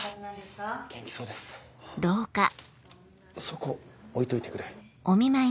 そこ置いといてくれ。